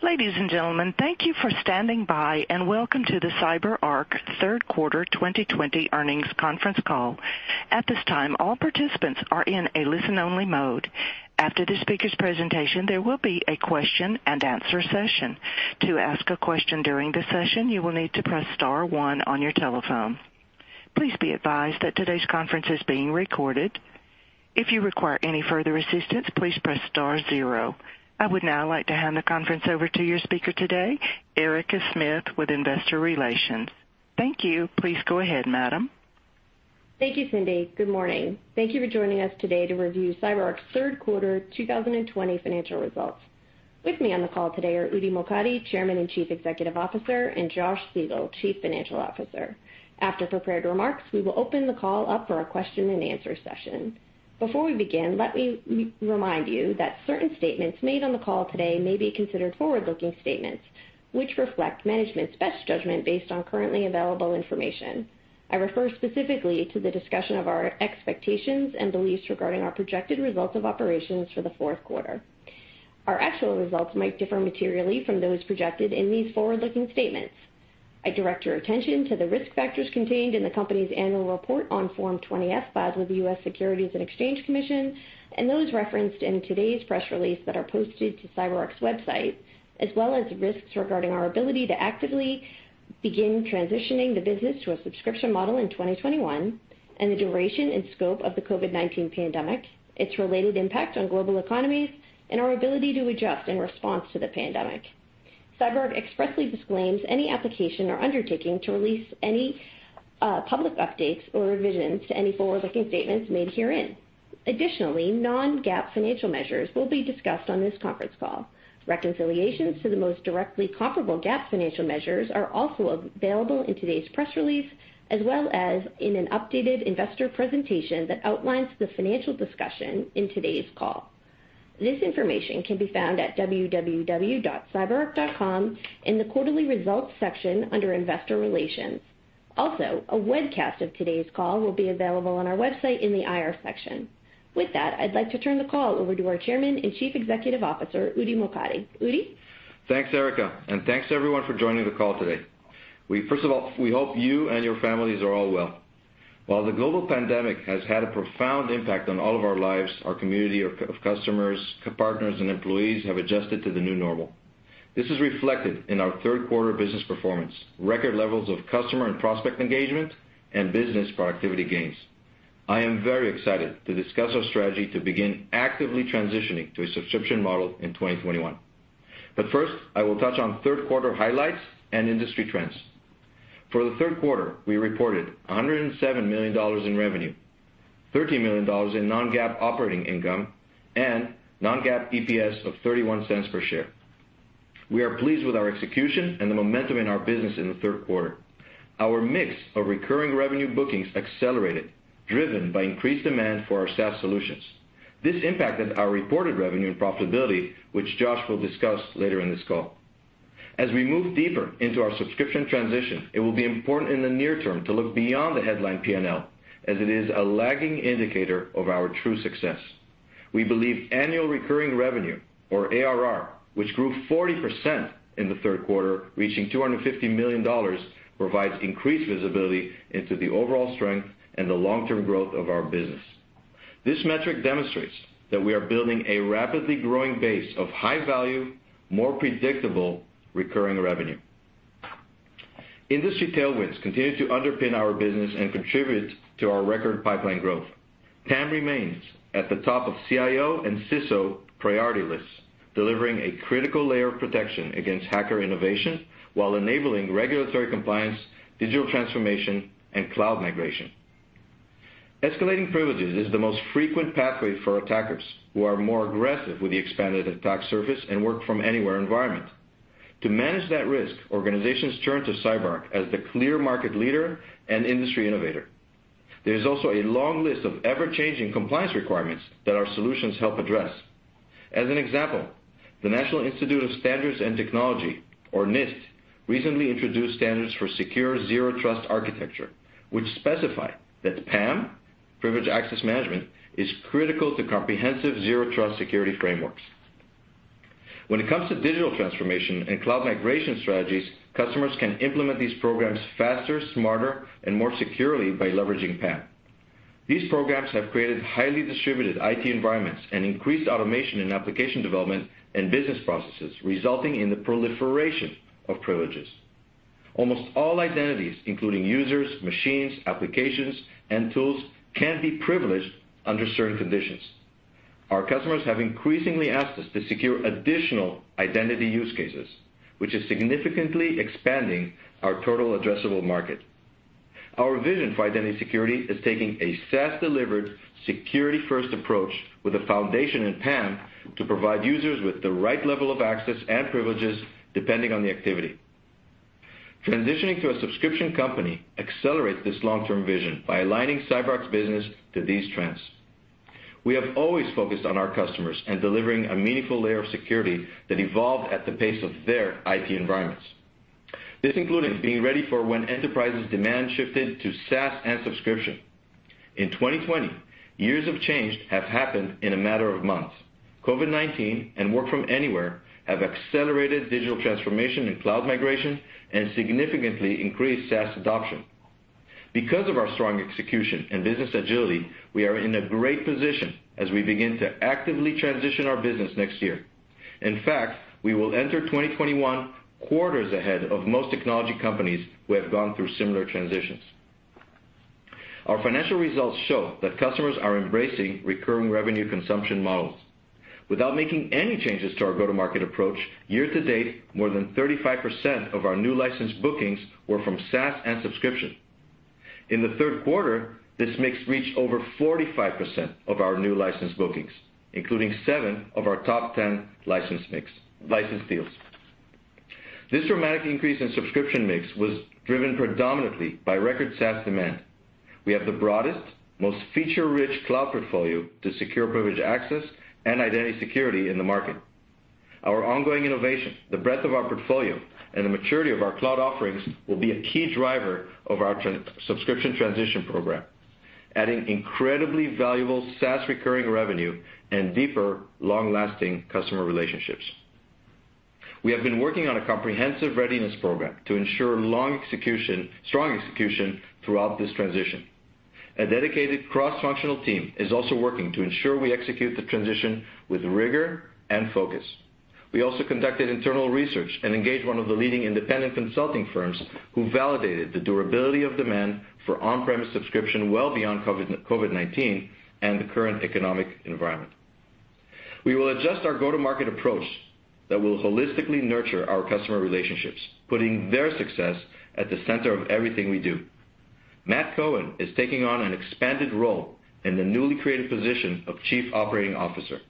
Ladies and gentlemen, thank you for standing by, and welcome to the CyberArk third quarter 2020 earnings conference call. At this time, all participants are in a listen-only mode. After the speaker's presentation, there will be a question and answer session. To ask a question during the session, you will need to press star one on your telephone. Please be advised that today's conference is being recorded. If you require any further assistance, please press star zero. I would now like to hand the conference over to your speaker today, Erica Smith with Investor Relations. Thank you. Please go ahead, madam. Thank you, Cindy. Good morning. Thank you for joining us today to review CyberArk's third quarter 2020 financial results. With me on the call today are Udi Mokady, Chairman and Chief Executive Officer, and Josh Siegel, Chief Financial Officer. After prepared remarks, we will open the call up for a question and answer session. Before we begin, let me remind you that certain statements made on the call today may be considered forward-looking statements, which reflect management's best judgment based on currently available information. I refer specifically to the discussion of our expectations and beliefs regarding our projected results of operations for the fourth quarter. Our actual results might differ materially from those projected in these forward-looking statements. I direct your attention to the risk factors contained in the company's annual report on Form 20-F filed with the U.S. Securities and Exchange Commission, and those referenced in today's press release that are posted to CyberArk's website, as well as risks regarding our ability to actively begin transitioning the business to a subscription model in 2021, and the duration and scope of the COVID-19 pandemic, its related impact on global economies, and our ability to adjust in response to the pandemic. CyberArk expressly disclaims any application or undertaking to release any public updates or revisions to any forward-looking statements made herein. Additionally, non-GAAP financial measures will be discussed on this conference call. Reconciliations to the most directly comparable GAAP financial measures are also available in today's press release, as well as in an updated investor presentation that outlines the financial discussion in today's call. This information can be found at www.cyberark.com in the quarterly results section under Investor Relations. Also, a webcast of today's call will be available on our website in the IR section. With that, I'd like to turn the call over to our Chairman and Chief Executive Officer, Udi Mokady. Udi? Thanks, Erica. Thanks to everyone for joining the call today. First of all, we hope you and your families are all well. While the global pandemic has had a profound impact on all of our lives, our community of customers, partners, and employees have adjusted to the new normal. This is reflected in our third quarter business performance, record levels of customer and prospect engagement, and business productivity gains. I am very excited to discuss our strategy to begin actively transitioning to a subscription model in 2021. First, I will touch on third quarter highlights and industry trends. For the third quarter, we reported $107 million in revenue, $13 million in non-GAAP operating income, and non-GAAP EPS of $0.31 per share. We are pleased with our execution and the momentum in our business in the third quarter. Our mix of recurring revenue bookings accelerated, driven by increased demand for our SaaS solutions. This impacted our reported revenue and profitability, which Josh will discuss later in this call. As we move deeper into our subscription transition, it will be important in the near term to look beyond the headline P&L, as it is a lagging indicator of our true success. We believe annual recurring revenue, or ARR, which grew 40% in the third quarter, reaching $250 million, provides increased visibility into the overall strength and the long-term growth of our business. This metric demonstrates that we are building a rapidly growing base of high-value, more predictable recurring revenue. Industry tailwinds continue to underpin our business and contribute to our record pipeline growth. PAM remains at the top of CIO and CISO priority lists, delivering a critical layer of protection against hacker innovation while enabling regulatory compliance, digital transformation, and cloud migration. Escalating privileges is the most frequent pathway for attackers who are more aggressive with the expanded attack surface and work-from-anywhere environment. To manage that risk, organizations turn to CyberArk as the clear market leader and industry innovator. There is also a long list of ever-changing compliance requirements that our solutions help address. As an example, the National Institute of Standards and Technology, or NIST, recently introduced standards for secure Zero Trust architecture, which specify that PAM, Privileged Access Management, is critical to comprehensive Zero Trust security frameworks. When it comes to digital transformation and cloud migration strategies, customers can implement these programs faster, smarter, and more securely by leveraging PAM. These programs have created highly distributed IT environments and increased automation in application development and business processes, resulting in the proliferation of privileges. Almost all identities, including users, machines, applications, and tools, can be privileged under certain conditions. Our customers have increasingly asked us to secure additional identity use cases, which is significantly expanding our total addressable market. Our vision for identity security is taking a SaaS-delivered security-first approach with a foundation in PAM to provide users with the right level of access and privileges depending on the activity. Transitioning to a subscription company accelerates this long-term vision by aligning CyberArk's business to these trends. We have always focused on our customers and delivering a meaningful layer of security that evolved at the pace of their IT environments. This included being ready for when enterprises' demand shifted to SaaS and subscription. In 2020, years of change have happened in a matter of months. COVID-19 and work from anywhere have accelerated digital transformation and cloud migration and significantly increased SaaS adoption. Because of our strong execution and business agility, we are in a great position as we begin to actively transition our business next year. In fact, we will enter 2021 quarters ahead of most technology companies who have gone through similar transitions. Our financial results show that customers are embracing recurring revenue consumption models. Without making any changes to our go-to-market approach, year-to-date, more than 35% of our new license bookings were from SaaS and subscription. In the third quarter, this mix reached over 45% of our new license bookings, including seven of our top 10 license deals. This dramatic increase in subscription mix was driven predominantly by record SaaS demand. We have the broadest, most feature-rich cloud portfolio to secure privileged access and identity security in the market. Our ongoing innovation, the breadth of our portfolio, and the maturity of our cloud offerings will be a key driver of our subscription transition program, adding incredibly valuable SaaS recurring revenue and deeper, long-lasting customer relationships. We have been working on a comprehensive readiness program to ensure strong execution throughout this transition. A dedicated cross-functional team is also working to ensure we execute the transition with rigor and focus. We also conducted internal research and engaged one of the leading independent consulting firms who validated the durability of demand for on-premise subscription well beyond COVID-19 and the current economic environment. We will adjust our go-to-market approach that will holistically nurture our customer relationships, putting their success at the center of everything we do. Matt Cohen is taking on an expanded role in the newly created position of Chief Operating Officer.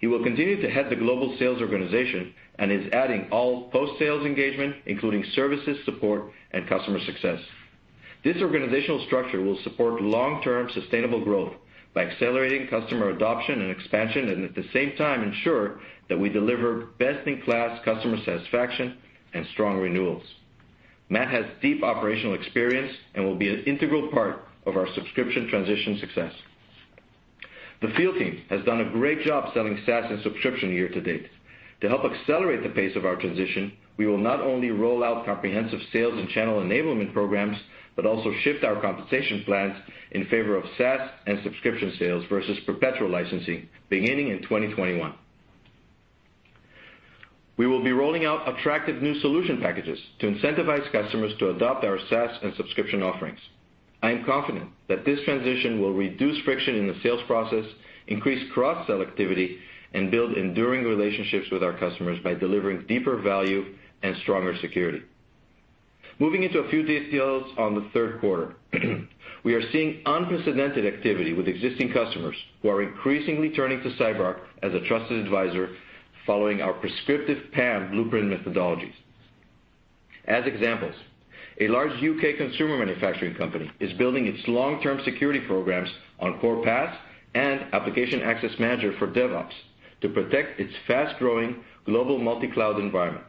He will continue to head the global sales organization and is adding all post-sales engagement, including services, support, and customer success. This organizational structure will support long-term sustainable growth by accelerating customer adoption and expansion, at the same time ensure that we deliver best-in-class customer satisfaction and strong renewals. Matt has deep operational experience and will be an integral part of our subscription transition success. The field team has done a great job selling SaaS and subscription year-to-date. To help accelerate the pace of our transition, we will not only roll out comprehensive sales and channel enablement programs, but also shift our compensation plans in favor of SaaS and subscription sales versus perpetual licensing beginning in 2021. We will be rolling out attractive new solution packages to incentivize customers to adopt our SaaS and subscription offerings. I am confident that this transition will reduce friction in the sales process, increase cross-sell activity, and build enduring relationships with our customers by delivering deeper value and stronger security. Moving into a few details on the third quarter. We are seeing unprecedented activity with existing customers who are increasingly turning to CyberArk as a trusted advisor following our prescriptive PAM blueprint methodologies. As examples, a large U.K. consumer manufacturing company is building its long-term security programs on Core PAS and Application Access Manager for DevOps to protect its fast-growing global multi-cloud environment.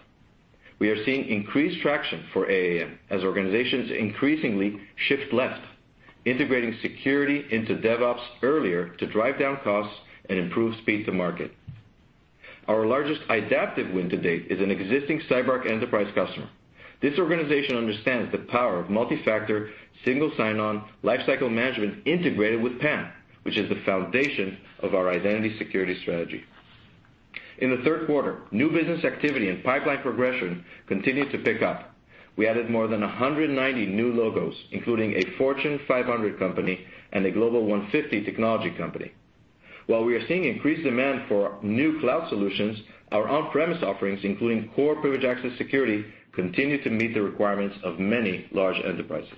We are seeing increased traction for AAM as organizations increasingly shift left, integrating security into DevOps earlier to drive down costs and improve speed to market. Our largest Idaptive win to date is an existing CyberArk enterprise customer. This organization understands the power of multi-factor, single sign-on lifecycle management integrated with PAM, which is the foundation of our identity security strategy. In the third quarter, new business activity and pipeline progression continued to pick up. We added more than 190 new logos, including a Fortune 500 company and a Global 150 technology company. While we are seeing increased demand for new cloud solutions, our on-premise offerings, including core privileged access security, continue to meet the requirements of many large enterprises.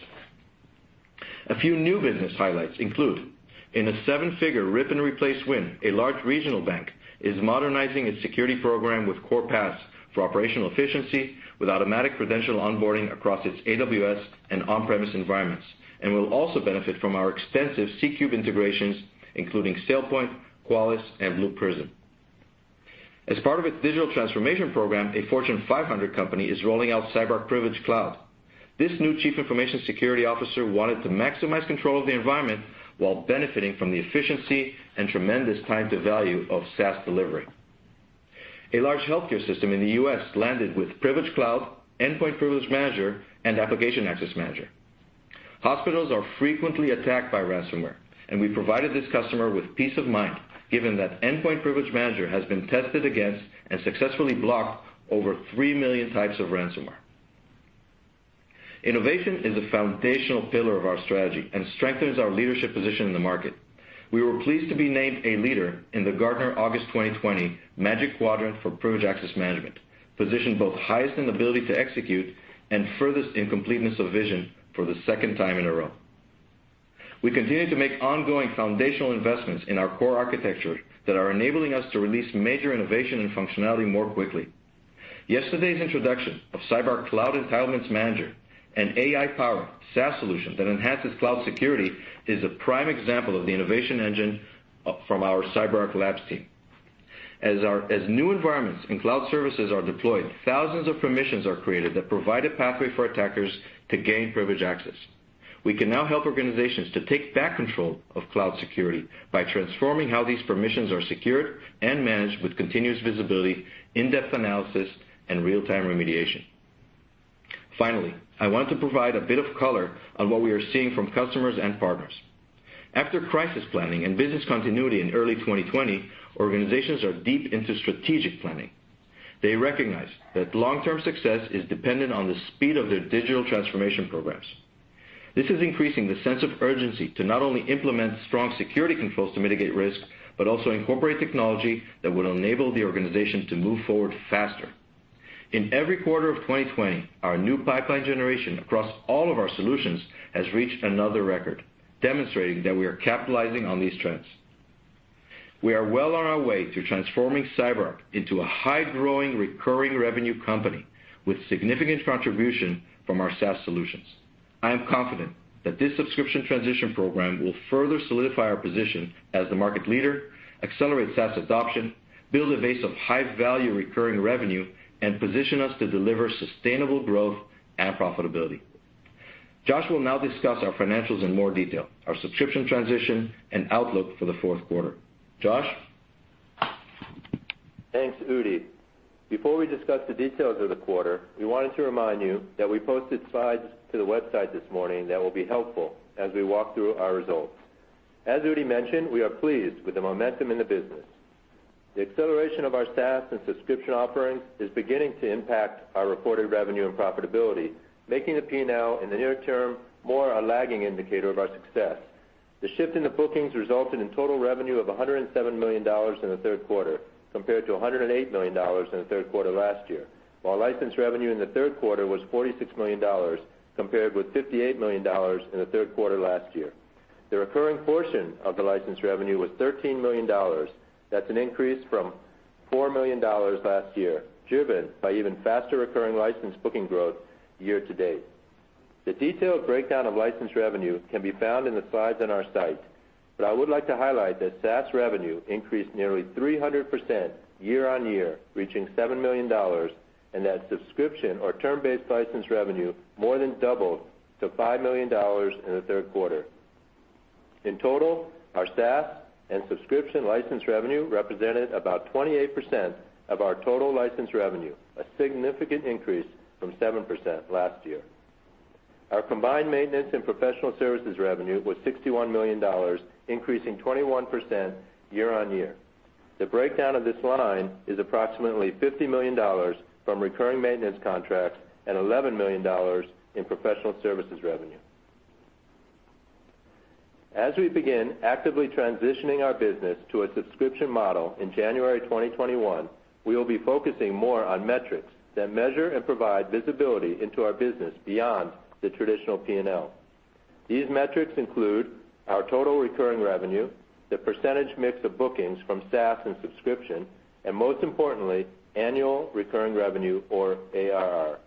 A few new business highlights include: in a seven-figure rip and replace win, a large regional bank is modernizing its security program with Core PAS for operational efficiency with automatic credential onboarding across its AWS and on-premise environments and will also benefit from our extensive C3 Alliance integrations, including SailPoint, Qualys, and Blue Prism. As part of its digital transformation program, a Fortune 500 company is rolling out CyberArk Privilege Cloud. This new Chief Information Security Officer wanted to maximize control of the environment while benefiting from the efficiency and tremendous time to value of SaaS delivery. A large healthcare system in the U.S. landed with Privilege Cloud, Endpoint Privilege Manager, and Application Access Manager. Hospitals are frequently attacked by ransomware, and we provided this customer with peace of mind, given that Endpoint Privilege Manager has been tested against and successfully blocked over 3 million types of ransomware. Innovation is a foundational pillar of our strategy and strengthens our leadership position in the market. We were pleased to be named a leader in the Gartner August 2020 Magic Quadrant for Privileged Access Management, positioned both highest in ability to execute and furthest in completeness of vision for the second time in a row. We continue to make ongoing foundational investments in our core architecture that are enabling us to release major innovation and functionality more quickly. Yesterday's introduction of CyberArk Cloud Entitlements Manager, an AI-powered SaaS solution that enhances cloud security, is a prime example of the innovation engine from our CyberArk Labs team. As new environments and cloud services are deployed, thousands of permissions are created that provide a pathway for attackers to gain privilege access. We can now help organizations to take back control of cloud security by transforming how these permissions are secured and managed with continuous visibility, in-depth analysis, and real-time remediation. I want to provide a bit of color on what we are seeing from customers and partners. After crisis planning and business continuity in early 2020, organizations are deep into strategic planning. They recognize that long-term success is dependent on the speed of their digital transformation programs. This is increasing the sense of urgency to not only implement strong security controls to mitigate risk, but also incorporate technology that will enable the organization to move forward faster. In every quarter of 2020, our new pipeline generation across all of our solutions has reached another record, demonstrating that we are capitalizing on these trends. We are well on our way to transforming CyberArk into a high-growing recurring revenue company with significant contribution from our SaaS solutions. I am confident that this subscription transition program will further solidify our position as the market leader, accelerate SaaS adoption, build a base of high-value recurring revenue, and position us to deliver sustainable growth and profitability. Josh will now discuss our financials in more detail, our subscription transition, and outlook for the fourth quarter. Josh? Thanks, Udi. Before we discuss the details of the quarter, we wanted to remind you that we posted slides to the website this morning that will be helpful as we walk through our results. As Udi mentioned, we are pleased with the momentum in the business. The acceleration of our SaaS and subscription offerings is beginning to impact our reported revenue and profitability, making the P&L in the near term more a lagging indicator of our success. The shift in the bookings resulted in total revenue of $107 million in the third quarter, compared to $108 million in the third quarter last year, while license revenue in the third quarter was $46 million, compared with $58 million in the third quarter last year. The recurring portion of the license revenue was $13 million. That's an increase from $4 million last year, driven by even faster recurring license booking growth year to date. The detailed breakdown of license revenue can be found in the slides on our site, but I would like to highlight that SaaS revenue increased nearly 300% year on year, reaching $7 million, and that subscription or term-based license revenue more than doubled to $5 million in the third quarter. In total, our SaaS and subscription license revenue represented about 28% of our total license revenue, a significant increase from 7% last last year. Our combined maintenance and professional services revenue was $61 million, increasing 21% year on year. The breakdown of this line is approximately $50 million from recurring maintenance contracts and $11 million in professional services revenue. As we begin actively transitioning our business to a subscription model in January 2021, we will be focusing more on metrics that measure and provide visibility into our business beyond the traditional P&L. These metrics include our total recurring revenue, the percentage mix of bookings from SaaS and subscription, and most importantly, annual recurring revenue or ARR.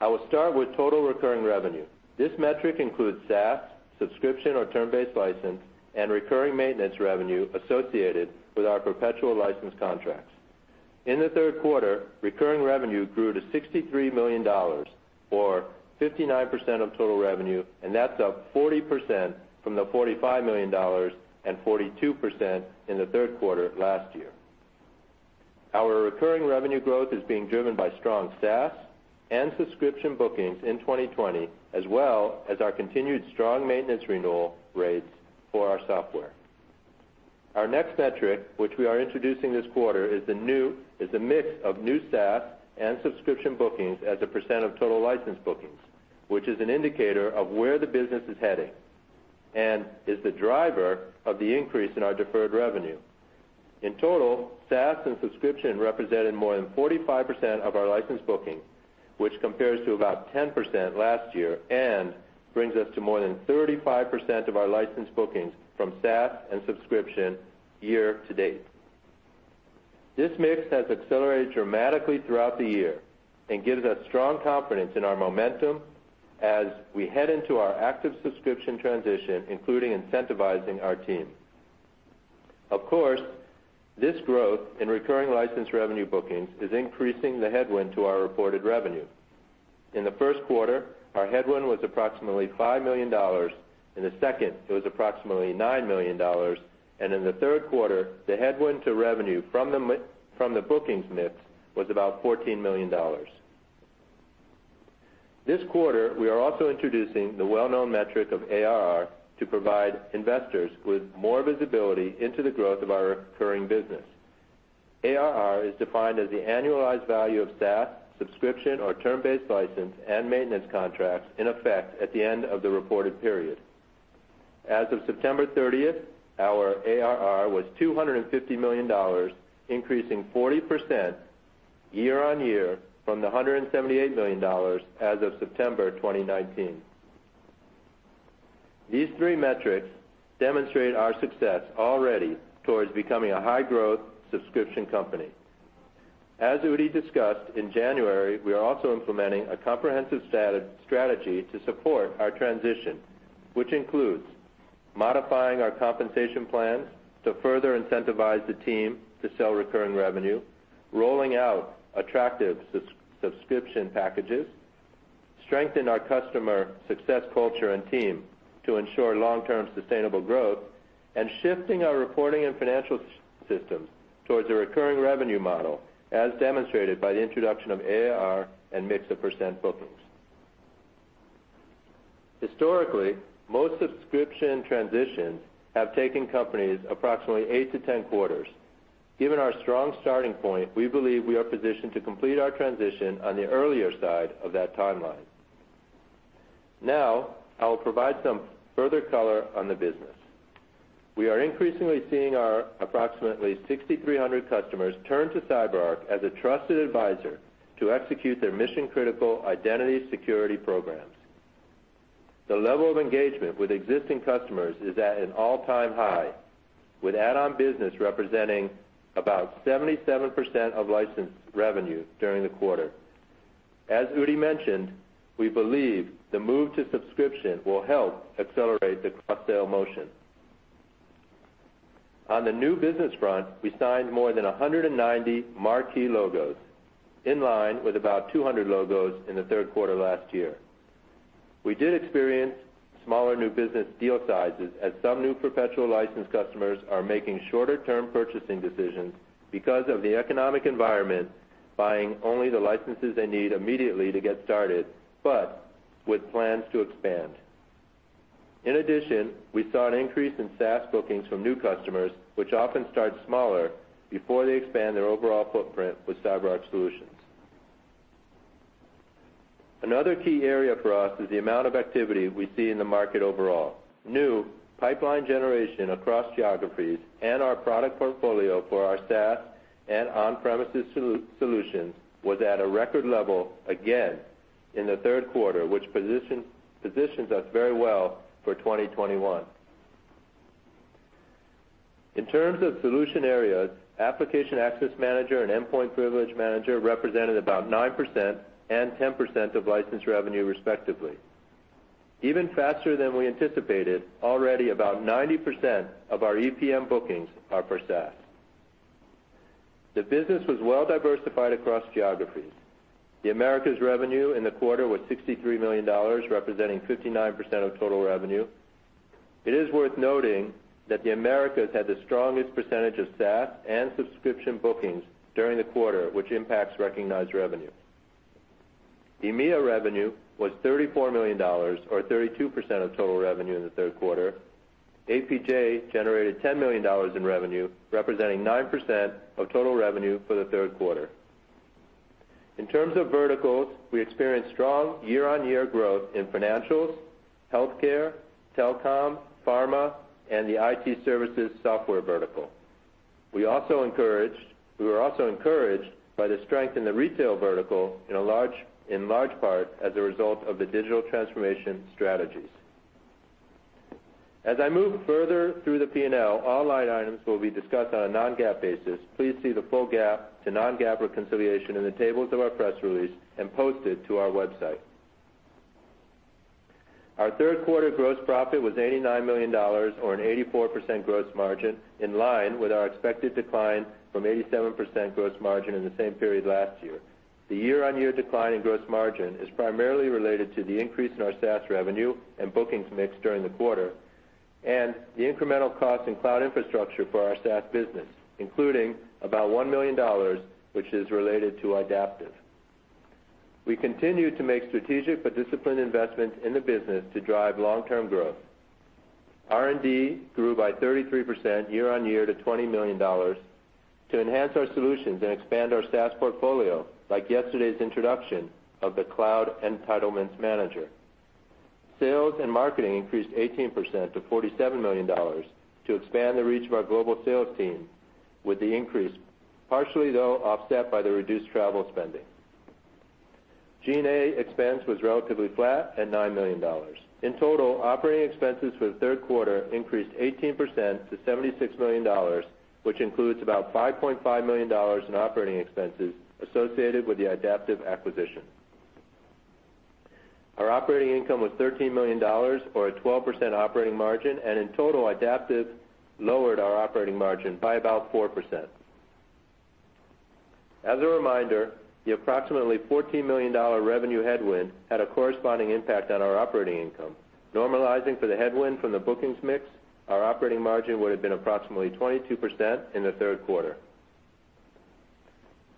I will start with total recurring revenue. This metric includes SaaS, subscription or term-based license, and recurring maintenance revenue associated with our perpetual license contracts. In the third quarter, recurring revenue grew to $63 million, or 59% of total revenue, and that's up 40% from the $45 million and 42% in the third quarter last year. Our recurring revenue growth is being driven by strong SaaS and subscription bookings in 2020, as well as our continued strong maintenance renewal rates for our software. Our next metric, which we are introducing this quarter, is the mix of new SaaS and subscription bookings as a percentage of total license bookings, which is an indicator of where the business is heading and is the driver of the increase in our deferred revenue. In total, SaaS and subscription represented more than 45% of our license bookings, which compares to about 10% last year and brings us to more than 35% of our license bookings from SaaS and subscription year to date. This mix has accelerated dramatically throughout the year and gives us strong confidence in our momentum as we head into our active subscription transition, including incentivizing our team. Of course, this growth in recurring license revenue bookings is increasing the headwind to our reported revenue. In the first quarter, our headwind was approximately $5 million. In the second, it was approximately $9 million. In the third quarter, the headwind to revenue from the bookings mix was about $14 million. This quarter, we are also introducing the well-known metric of ARR to provide investors with more visibility into the growth of our recurring business. ARR is defined as the annualized value of SaaS, subscription or term-based license, and maintenance contracts in effect at the end of the reported period. As of September 30, our ARR was $250 million, increasing 40% year on year from the $178 million as of September 2019. These three metrics demonstrate our success already towards becoming a high-growth subscription company. As Udi discussed in January, we are also implementing a comprehensive strategy to support our transition, which includes modifying our compensation plans to further incentivize the team to sell recurring revenue, rolling out attractive subscription packages, strengthen our customer success culture and team to ensure long-term sustainable growth, and shifting our reporting and financial systems towards a recurring revenue model, as demonstrated by the introduction of ARR and mix of percent bookings. Historically, most subscription transitions have taken companies approximately eight to 10 quarters. Given our strong starting point, we believe we are positioned to complete our transition on the earlier side of that timeline. I will provide some further color on the business. We are increasingly seeing our approximately 6,300 customers turn to CyberArk as a trusted advisor to execute their mission-critical identity security programs. The level of engagement with existing customers is at an all-time high, with add-on business representing about 77% of license revenue during the quarter. As Udi mentioned, we believe the move to subscription will help accelerate the cross-sale motion. On the new business front, we signed more than 190 marquee logos, in line with about 200 logos in the third quarter last year. We did experience smaller new business deal sizes as some new perpetual license customers are making shorter-term purchasing decisions because of the economic environment, buying only the licenses they need immediately to get started, but with plans to expand. In addition, we saw an increase in SaaS bookings from new customers, which often start smaller before they expand their overall footprint with CyberArk solutions. Another key area for us is the amount of activity we see in the market overall. New pipeline generation across geographies and our product portfolio for our SaaS and on-premises solutions was at a record level again in the third quarter, which positions us very well for 2021. In terms of solution areas, Application Access Manager and Endpoint Privilege Manager represented about 9% and 10% of licensed revenue, respectively. Even faster than we anticipated, already about 90% of our EPM bookings are for SaaS. The business was well diversified across geographies. The Americas revenue in the quarter was $63 million, representing 59% of total revenue. It is worth noting that the Americas had the strongest percentage of SaaS and subscription bookings during the quarter, which impacts recognized revenue. EMEA revenue was $34 million, or 32% of total revenue in the third quarter. APJ generated $10 million in revenue, representing 9% of total revenue for the third quarter. In terms of verticals, we experienced strong year-on-year growth in financials, healthcare, telecom, pharma, and the IT services software vertical. We were also encouraged by the strength in the retail vertical, in large part as a result of the digital transformation strategies. As I move further through the P&L, all line items will be discussed on a non-GAAP basis. Please see the full GAAP to non-GAAP reconciliation in the tables of our press release and posted to our website. Our third quarter gross profit was $89 million, or an 84% gross margin, in line with our expected decline from 87% gross margin in the same period last year. The year-on-year decline in gross margin is primarily related to the increase in our SaaS revenue and bookings mix during the quarter, and the incremental cost in cloud infrastructure for our SaaS business, including about $1 million, which is related to Idaptive. We continue to make strategic but disciplined investments in the business to drive long-term growth. R&D grew by 33% year-over-year to $20 million to enhance our solutions and expand our SaaS portfolio, like yesterday's introduction of the Cloud Entitlements Manager. Sales and marketing increased 18% to $47 million to expand the reach of our global sales team with the increase, partially though offset by the reduced travel spending. G&A expense was relatively flat at $9 million. In total, operating expenses for the third quarter increased 18% to $76 million, which includes about $5.5 million in operating expenses associated with the Idaptive acquisition. Our operating income was $13 million, or a 12% operating margin, and in total, Idaptive lowered our operating margin by about 4%. As a reminder, the approximately $14 million revenue headwind had a corresponding impact on our operating income. Normalizing for the headwind from the bookings mix, our operating margin would have been approximately 22% in the third quarter.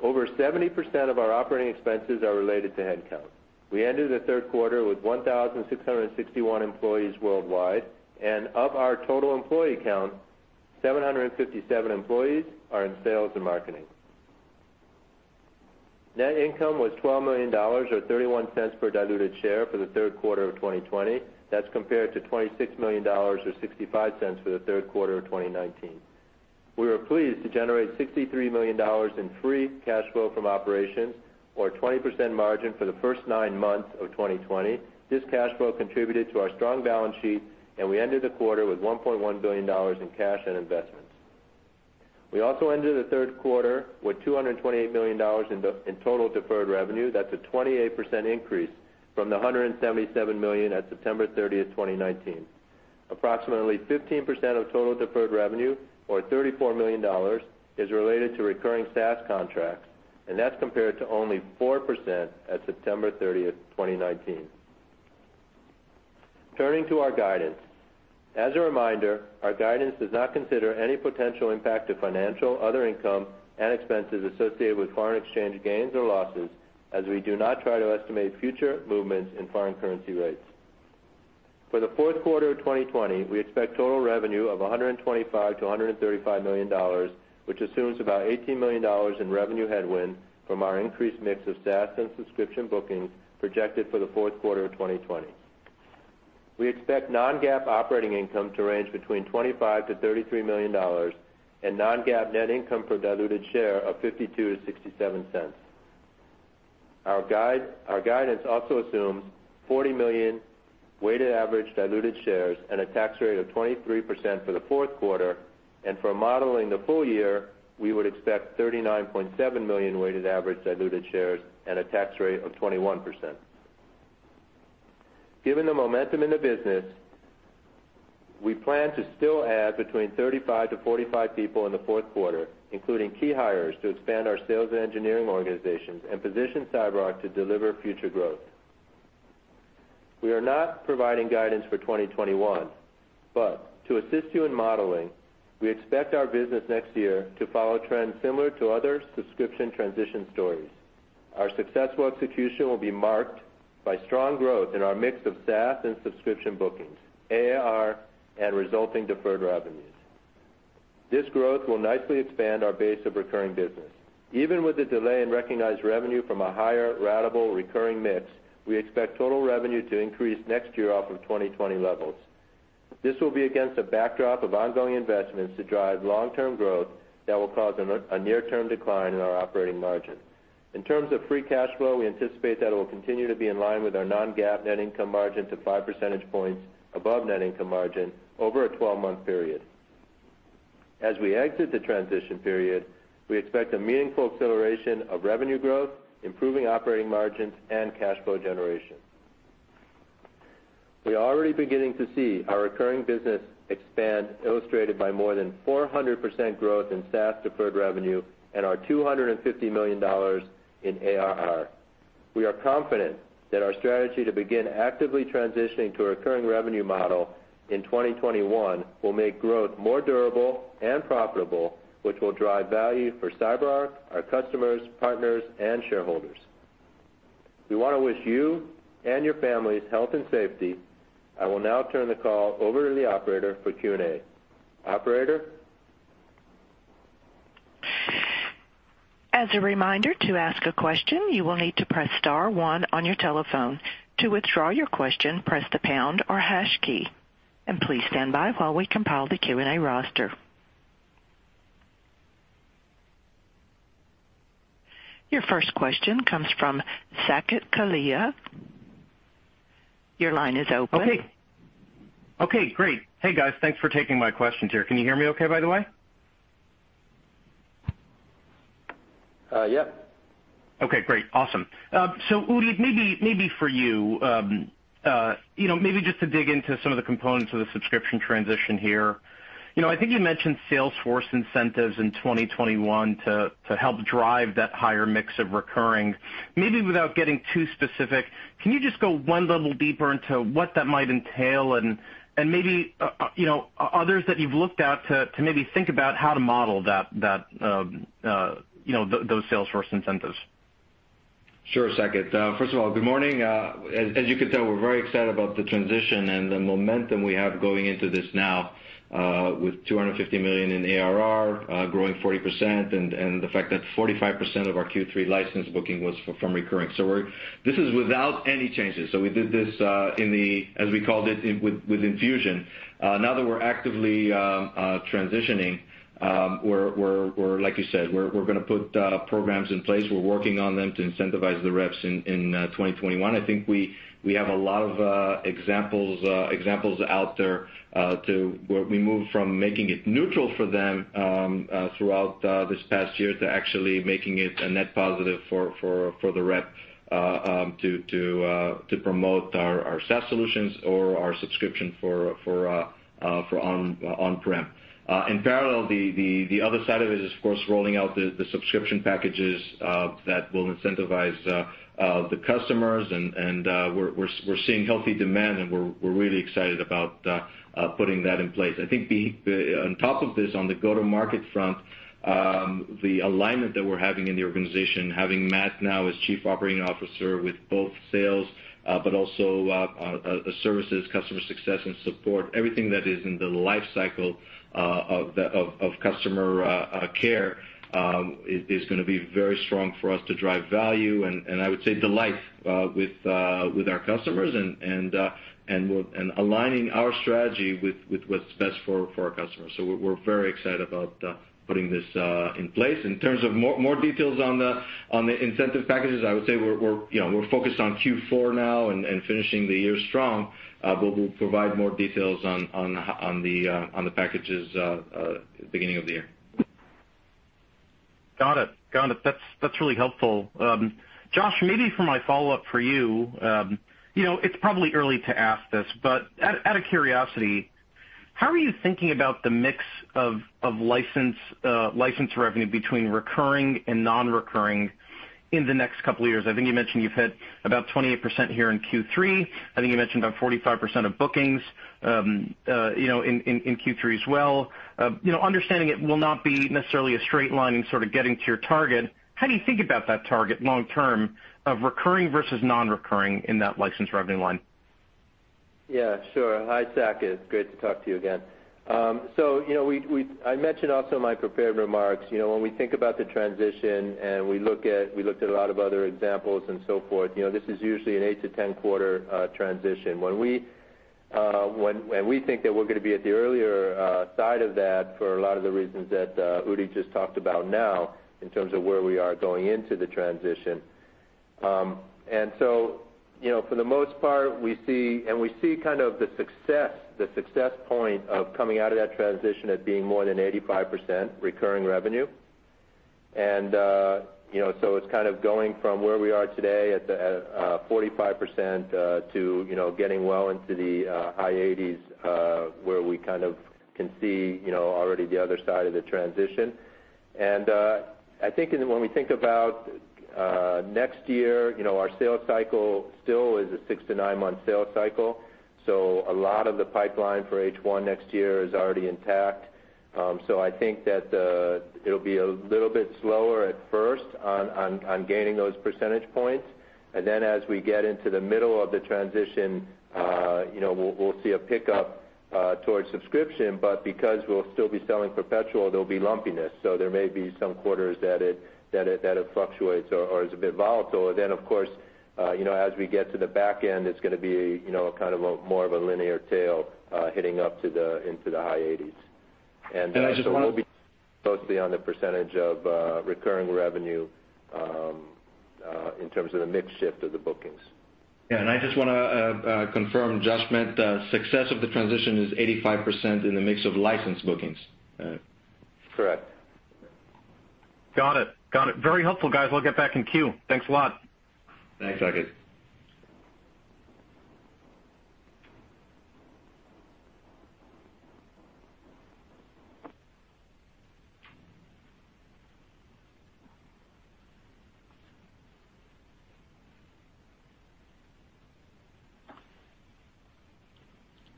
Over 70% of our operating expenses are related to headcount. We ended the third quarter with 1,661 employees worldwide, and of our total employee count, 757 employees are in sales and marketing. Net income was $12 million, or $0.31 per diluted share for the third quarter of 2020. That's compared to $26 million or $0.65 for the third quarter of 2019. We were pleased to generate $63 million in free cash flow from operations or a 20% margin for the first nine months of 2020. This cash flow contributed to our strong balance sheet, and we ended the quarter with $1.1 billion in cash and investments. We also ended the third quarter with $228 million in total deferred revenue. That's a 28% increase from the $177 million at September 30th, 2019. Approximately 15% of total deferred revenue, or $34 million, is related to recurring SaaS contracts, and that's compared to only 4% at September 30th, 2019. Turning to our guidance. As a reminder, our guidance does not consider any potential impact to financial, other income, and expenses associated with foreign exchange gains or losses, as we do not try to estimate future movements in foreign currency rates. For the fourth quarter of 2020, we expect total revenue of $125 million-$135 million, which assumes about $18 million in revenue headwind from our increased mix of SaaS and subscription bookings projected for the fourth quarter of 2020. We expect non-GAAP operating income to range between $25 million-$33 million, and non-GAAP net income per diluted share of $0.52-$0.67. Our guidance also assumes 40 million weighted average diluted shares and a tax rate of 23% for the fourth quarter, and for modeling the full year, we would expect 39.7 million weighted average diluted shares and a tax rate of 21%. Given the momentum in the business, we plan to still add between 35-45 people in the fourth quarter, including key hires to expand our sales engineering organizations and position CyberArk to deliver future growth. We are not providing guidance for 2021, but to assist you in modeling, we expect our business next year to follow trends similar to other subscription transition stories. Our successful execution will be marked by strong growth in our mix of SaaS and subscription bookings, ARR, and resulting deferred revenues. This growth will nicely expand our base of recurring business. Even with the delay in recognized revenue from a higher ratable recurring mix, we expect total revenue to increase next year off of 2020 levels. This will be against a backdrop of ongoing investments to drive long-term growth that will cause a near-term decline in our operating margin. In terms of free cash flow, we anticipate that it will continue to be in line with our non-GAAP net income margin to 5 percentage points above net income margin over a 12-month period. As we exit the transition period, we expect a meaningful acceleration of revenue growth, improving operating margins, and cash flow generation. We are already beginning to see our recurring business expand, illustrated by more than 400% growth in SaaS deferred revenue and our $250 million in ARR. We are confident that our strategy to begin actively transitioning to a recurring revenue model in 2021 will make growth more durable and profitable, which will drive value for CyberArk, our customers, partners, and shareholders. We want to wish you and your families health and safety. I will now turn the call over to the operator for Q&A. Operator? As a reminder, to ask a question, you will need to press star one on your telephone. To withdraw your question, press the pound or hash key, and please stand by while we compile the Q&A roster. Your first question comes from Saket Kalia. Your line is open. Okay, great. Hey, guys. Thanks for taking my questions here. Can you hear me okay, by the way? Yep. Okay, great. Awesome. Udi, maybe for you, maybe just to dig into some of the components of the subscription transition here. I think you mentioned sales force incentives in 2021 to help drive that higher mix of recurring. Maybe without getting too specific, can you just go 1 level deeper into what that might entail and maybe others that you've looked at to maybe think about how to model those sales force incentives? Sure, Saket. First of all, good morning. As you could tell, we're very excited about the transition and the momentum we have going into this now, with $250 million in ARR, growing 40%, and the fact that 45% of our Q3 license booking was from recurring. This is without any changes. We did this in the, as we called it, with infusion. Now that we're actively transitioning, like you said, we're going to put programs in place. We're working on them to incentivize the reps in 2021. I think we have a lot of examples out there to where we move from making it neutral for them throughout this past year to actually making it a net positive for the rep to promote our SaaS solutions or our subscription for on-prem. In parallel, the other side of it is, of course, rolling out the subscription packages that will incentivize the customers, and we're seeing healthy demand, and we're really excited about putting that in place. I think on top of this, on the go-to-market front, the alignment that we're having in the organization, having Matt now as Chief Operating Officer with both sales but also services, customer success, and support, everything that is in the life cycle of customer care, is going to be very strong for us to drive value and, I would say, delight with our customers and aligning our strategy with what's best for our customers. We're very excited about putting this in place. In terms of more details on the incentive packages, I would say we're focused on Q4 now and finishing the year strong. We'll provide more details on the packages at the beginning of the year. Got it. That's really helpful. Josh, maybe for my follow-up for you, it's probably early to ask this, but out of curiosity, how are you thinking about the mix of license revenue between recurring and non-recurring in the next couple of years? I think you mentioned you've hit about 28% here in Q3. I think you mentioned about 45% of bookings in Q3 as well. Understanding it will not be necessarily a straight line in sort of getting to your target, how do you think about that target long term of recurring versus non-recurring in that license revenue line? Yeah, sure. Hi, Saket. It's great to talk to you again. I mentioned also in my prepared remarks, when we think about the transition and we looked at a lot of other examples and so forth, this is usually an 8 to 10 quarter transition. We think that we're going to be at the earlier side of that for a lot of the reasons that Udi just talked about now, in terms of where we are going into the transition. For the most part, and we see kind of the success point of coming out of that transition as being more than 85% recurring revenue. It's kind of going from where we are today at 45% to getting well into the high 80s, where we kind of can see already the other side of the transition. I think when we think about next year, our sales cycle still is a six to nine-month sales cycle. A lot of the pipeline for H1 next year is already intact. I think that it'll be a little bit slower at first on gaining those percentage points. As we get into the middle of the transition, we'll see a pickup towards subscription, but because we'll still be selling perpetual, there'll be lumpiness. There may be some quarters that it fluctuates or is a bit volatile. Of course, as we get to the back end, it's going to be more of a linear tail heading up into the high 80s. I just want to- We'll be closely on the percentage of recurring revenue in terms of the mix shift of the bookings. Yeah, I just want to confirm, Josh meant success of the transition is 85% in the mix of license bookings. Correct. Got it. Very helpful, guys. We'll get back in queue. Thanks a lot. Thanks, Saket.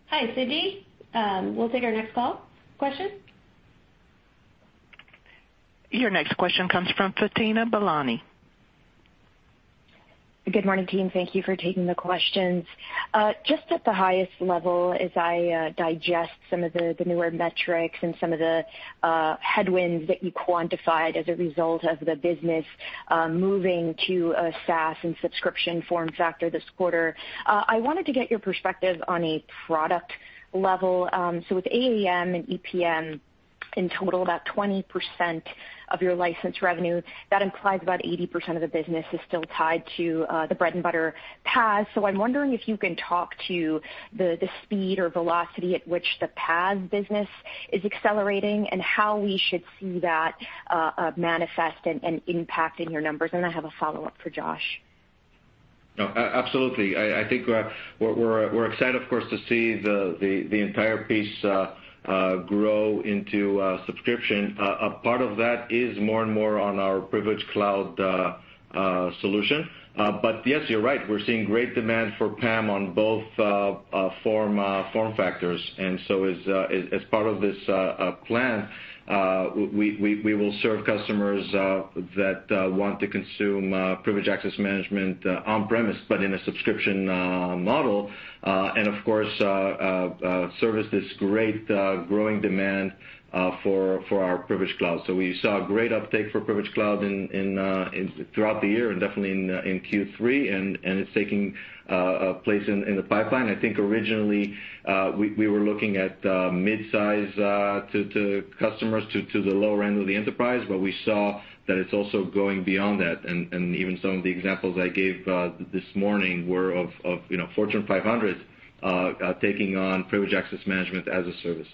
Hi, Cindy. We'll take our next call, question. Your next question comes from Fatima Boolani. Good morning, team. Thank you for taking the questions. Just at the highest level, as I digest some of the newer metrics and some of the headwinds that you quantified as a result of the business moving to a SaaS and subscription form factor this quarter, I wanted to get your perspective on a product level. With AAM and EPM, in total, about 20% of your license revenue, that implies about 80% of the business is still tied to the bread-and-butter PAM. I'm wondering if you can talk to the speed or velocity at which the PAM business is accelerating and how we should see that manifest and impact in your numbers. And I have a follow-up for Josh. No, absolutely. I think we're excited, of course, to see the entire piece grow into a subscription. A part of that is more and more on our Privilege Cloud solution. Yes, you're right. We're seeing great demand for PAM on both form factors. As part of this plan, we will serve customers that want to consume Privileged Access Management on-premise, but in a subscription model, and of course, service this great growing demand for our Privilege Cloud. We saw great uptake for Privilege Cloud throughout the year, and definitely in Q3, and it's taking a place in the pipeline. I think originally, we were looking at midsize to customers to the lower end of the enterprise, but we saw that it's also going beyond that, and even some of the examples I gave this morning were of Fortune 500 taking on Privileged Access Management as a service.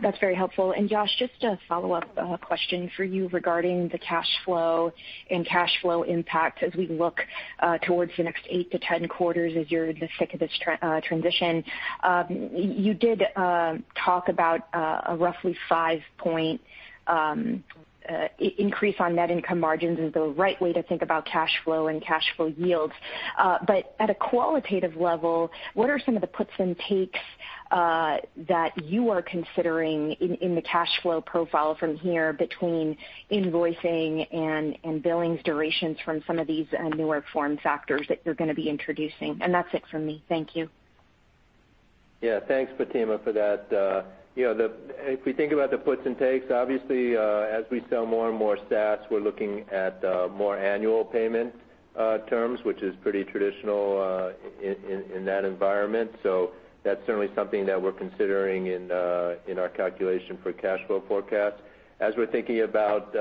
That's very helpful. Josh, just a follow-up question for you regarding the cash flow and cash flow impact as we look towards the next 8-10 quarters as you're in the thick of this transition. You did talk about a roughly five-point increase on net income margins as the right way to think about cash flow and cash flow yields. At a qualitative level, what are some of the puts and takes that you are considering in the cash flow profile from here between invoicing and billings durations from some of these newer form factors that you're going to be introducing? That's it for me. Thank you. Thanks, Fatima, for that. If we think about the puts and takes, obviously, as we sell more and more SaaS, we're looking at more annual payment terms, which is pretty traditional in that environment. That's certainly something that we're considering in our calculation for cash flow forecast. As we're thinking about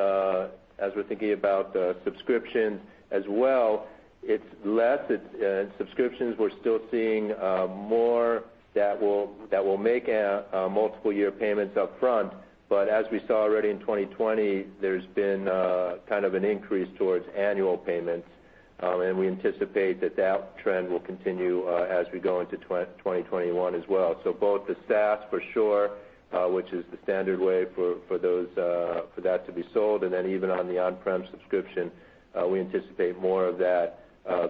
subscriptions as well, it's less. In subscriptions, we're still seeing more that will make multiple year payments up front. As we saw already in 2020, there's been an increase towards annual payments, and we anticipate that trend will continue as we go into 2021 as well. Both the SaaS for sure which is the standard way for that to be sold, and then even on the on-prem subscription, we anticipate more of that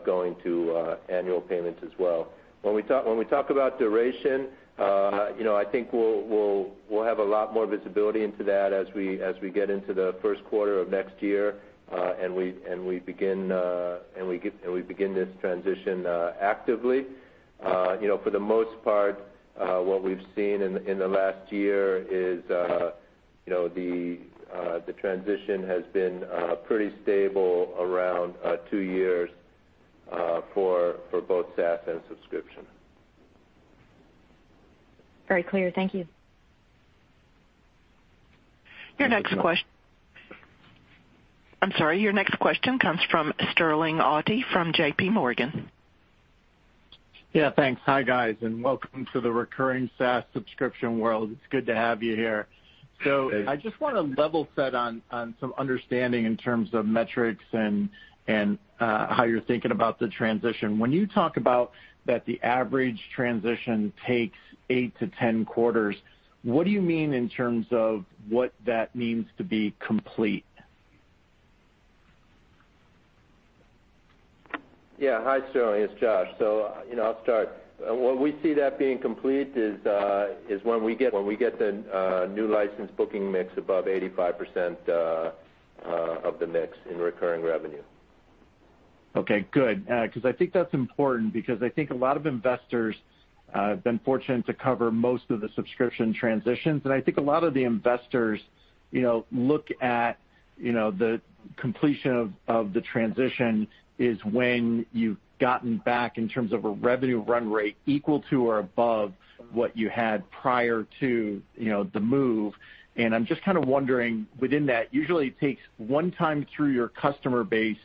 going to annual payments as well. When we talk about duration, I think we'll have a lot more visibility into that as we get into the first quarter of next year, and we begin this transition actively. For the most part, what we've seen in the last year is the transition has been pretty stable around two years for both SaaS and subscription. Very clear. Thank you. Your next question. I'm sorry. Your next question comes from Sterling Auty from JPMorgan. Yeah, thanks. Hi, guys, and welcome to the recurring SaaS subscription world. It's good to have you here. Hey. I just want to level set on some understanding in terms of metrics and how you're thinking about the transition. When you talk about that the average transition takes 8 to 10 quarters, what do you mean in terms of what that means to be complete? Yeah. Hi, Sterling, it's Josh. I'll start. When we see that being complete is when we get the new license booking mix above 85% of the mix in recurring revenue. Okay, good. I think that's important because I think a lot of investors have been fortunate to cover most of the subscription transitions. I think a lot of the investors look at the completion of the transition is when you've gotten back in terms of a revenue run rate equal to or above what you had prior to the move. I'm just kind of wondering within that, usually it takes one time through your customer base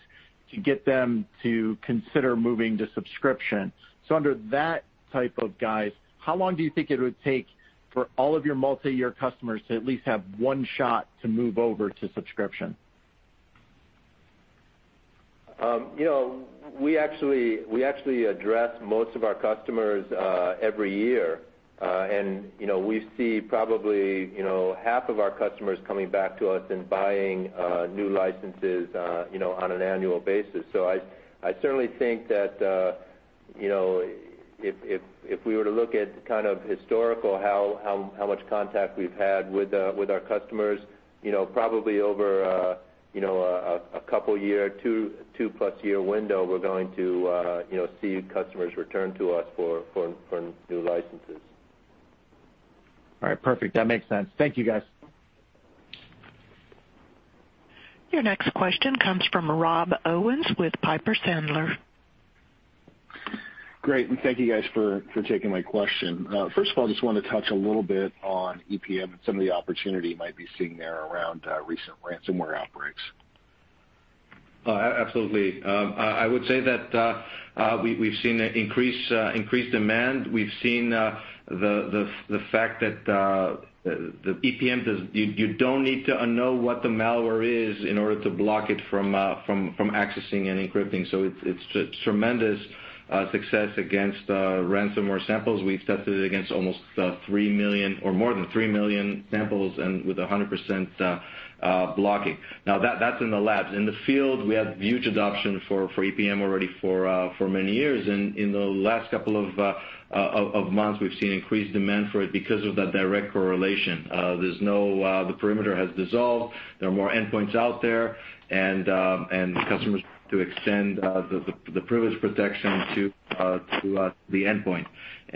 to get them to consider moving to subscription. Under that type of guise, how long do you think it would take for all of your multi-year customers to at least have one shot to move over to subscription? We actually address most of our customers every year. We see probably half of our customers coming back to us and buying new licenses on an annual basis. I certainly think that if we were to look at kind of historical how much contact we've had with our customers, probably over a couple year, two plus year window, we're going to see customers return to us for new licenses. All right, perfect. That makes sense. Thank you, guys. Your next question comes from Rob Owens with Piper Sandler. Great, thank you guys for taking my question. First of all, I just wanted to touch a little bit on EPM and some of the opportunity you might be seeing there around recent ransomware outbreaks. Absolutely. I would say that we've seen increased demand. We've seen the fact that the EPM, you don't need to know what the malware is in order to block it from accessing and encrypting. It's tremendous success against ransomware samples. We've tested it against almost 3 million or more than 3 million samples and with 100% blocking. That's in the labs. In the field, we have huge adoption for EPM already for many years. In the last couple of months, we've seen increased demand for it because of that direct correlation. The perimeter has dissolved. There are more endpoints out there, customers to extend the privilege protection to the endpoint.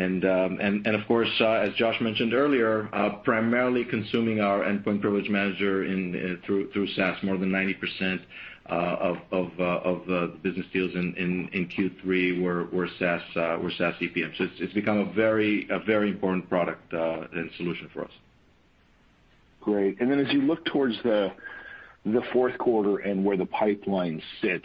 Of course, as Josh mentioned earlier, primarily consuming our Endpoint Privilege Manager through SaaS. More than 90% of the business deals in Q3 were SaaS EPM. It's become a very important product and solution for us. Great. Then as you look towards the fourth quarter and where the pipeline sits,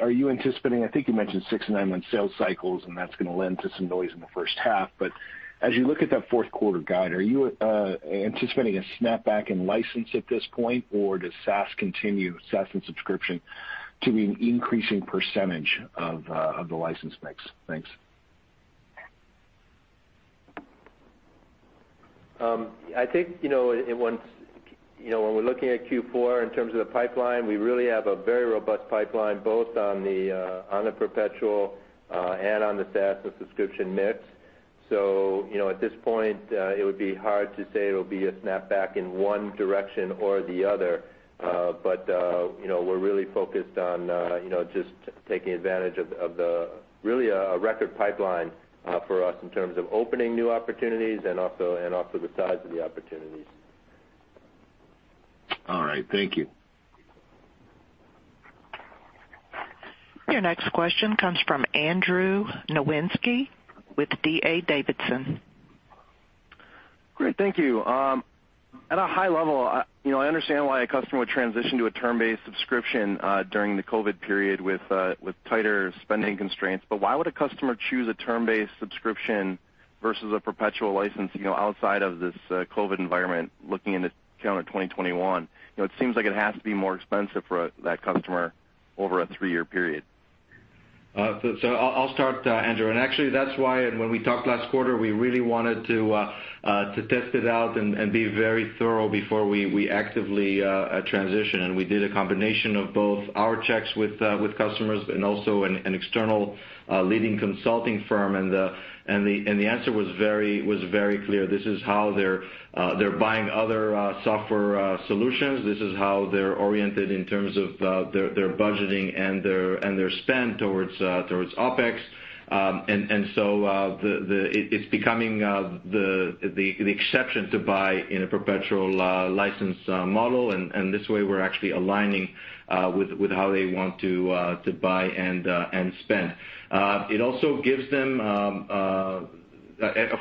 are you anticipating, I think you mentioned six and nine-month sales cycles, and that's going to lend to some noise in the first half. But as you look at that fourth quarter guide, are you anticipating a snapback in license at this point? Or does SaaS continue, SaaS and subscription, to be an increasing percentage of the license mix? Thanks. I think when we're looking at Q4 in terms of the pipeline, we really have a very robust pipeline, both on the perpetual and on the SaaS and subscription mix. At this point, it would be hard to say it'll be a snapback in one direction or the other. We're really focused on just taking advantage of the really a record pipeline for us in terms of opening new opportunities and also the size of the opportunities. All right. Thank you. Your next question comes from Andrew Nowinski with D.A. Davidson. Great. Thank you. At a high level, I understand why a customer would transition to a term-based subscription during the COVID period with tighter spending constraints, but why would a customer choose a term-based subscription versus a perpetual license outside of this COVID environment looking into calendar 2021? It seems like it has to be more expensive for that customer over a three-year period. I'll start, Andrew. Actually that's why when we talked last quarter, we really wanted to test it out and be very thorough before we actively transition. We did a combination of both our checks with customers and also an external leading consulting firm and the answer was very clear. This is how they're buying other software solutions. This is how they're oriented in terms of their budgeting and their spend towards OpEx. It's becoming the exception to buy in a perpetual license model. This way we're actually aligning with how they want to buy and spend. Of